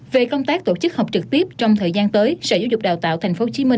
về công tác tổ chức học trực tiếp trong thời gian tới sở giáo dục đào tạo tp hcm